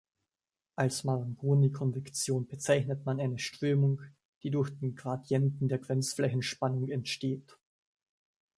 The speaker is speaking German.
Als Marangoni-Konvektion bezeichnet man eine Strömung, die durch den Gradienten der Grenzflächenspannung entsteht.